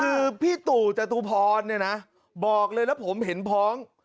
คือพี่ตู่จตุพรบอกเลยแล้วผมเห็นพร้อม